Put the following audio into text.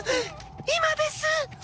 今です！